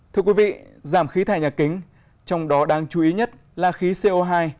thưa quý vị giảm khí thải nhà kính trong đó đáng chú ý nhất là khí co hai